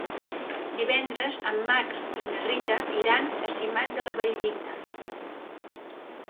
Divendres en Max i na Rita iran a Simat de la Valldigna.